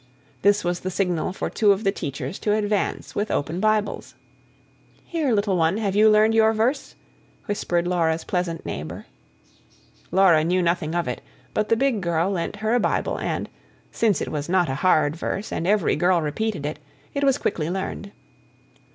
This was the signal for two of the teachers to advance with open Bibles. "Here, little one, have you learned your verse?" whispered Laura's pleasant neighbour. Laura knew nothing of it; but the big girl lent her a Bible, and, since it was not a hard verse and every girl repeated it, it was quickly learned.